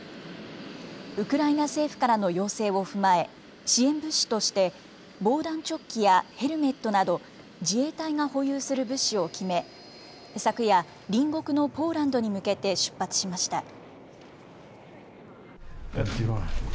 ウクライナ政府からの要請を踏まえ、支援物資として、防弾チョッキやヘルメットなど、自衛隊が保有する物資を決め、昨夜、隣国のポーランドに向けて出発しました。